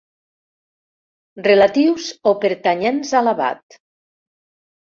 Relatius o pertanyents a l'abat.